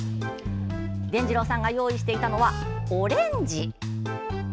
でんじろうさんが用意していたのは、オレンジ。